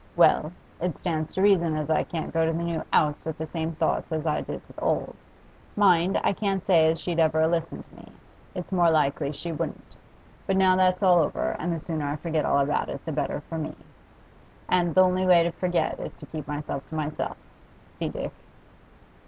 Well, it stands to reason as I can't go to the new 'ouse with the same thoughts as I did to the old. Mind, I can't say as she'd ever a' listened to me; it's more than likely she wouldn't But now that's all over, and the sooner I forget all about it the better for me. And th' only way to forget is to keep myself to myself, see, Dick?